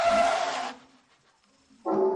内测需要获得内测资格才可以登录